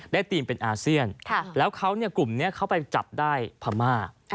และติ้นเป็นอาเซียนครับแล้วเขาเนี่ยกลุ่มเนี่ยเข้าไปจับได้พรรมา